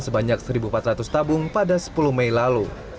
sebanyak satu empat ratus tabung pada sepuluh mei lalu